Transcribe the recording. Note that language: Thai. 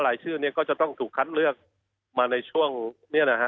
รายชื่อเนี่ยก็จะต้องถูกคัดเลือกมาในช่วงนี้นะฮะ